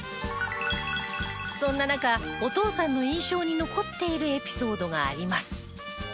そんな中お父さんの印象に残っているエピソードがあります。